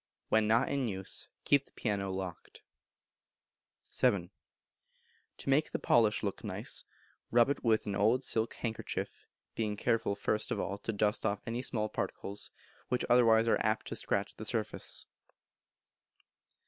When not in use keep the piano locked. vii. To make the polish look nice, rub it with an old silk handkerchief, being careful first of all to dust off any small particles, which otherwise are apt to scratch the surface.